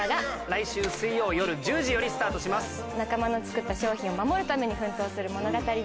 仲間の作った商品を守るために奮闘する物語です。